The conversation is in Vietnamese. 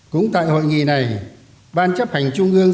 cũng tại hội nghị này ban chấp hành trung ương